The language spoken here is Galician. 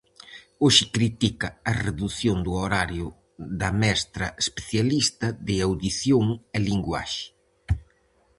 Hoxe critica a redución do horario da mestra especialista de audición e linguaxe.